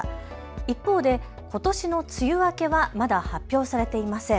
一方でことしの梅雨明けはまだ発表されていません。